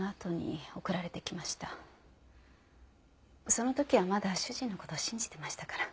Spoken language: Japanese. その時はまだ主人の事を信じてましたから。